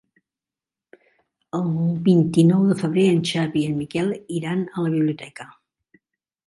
El vint-i-nou de febrer en Xavi i en Miquel iran a la biblioteca.